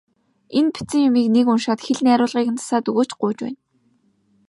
Энэ бичсэн юмыг нэг уншаад хэл найруулгыг нь засаад өгөөч, гуйж байна.